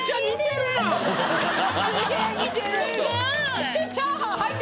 すごい。